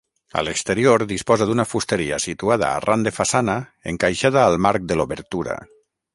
A l'exterior disposa d'una fusteria situada arran de façana encaixada al marc de l'obertura.